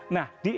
nah di indonesia